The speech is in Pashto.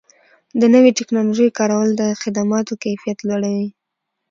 د نوې ټکنالوژۍ کارول د خدماتو کیفیت لوړوي.